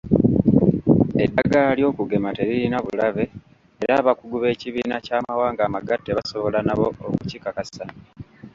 Eddagala ly'okugema teririna bulabe era abakugu b'ekibiina ky'amawanga amagatte basobola nabo okukikakasa.